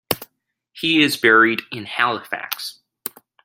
He is buried in Halifax.